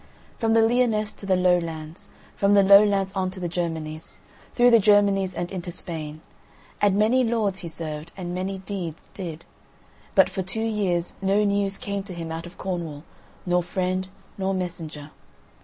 From the Lyonesse to the Lowlands, from the Lowlands on to the Germanies; through the Germanies and into Spain. And many lords he served, and many deeds did, but for two years no news came to him out of Cornwall, nor friend, nor messenger.